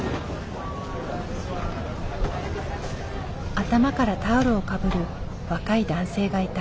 頭からタオルをかぶる若い男性がいた。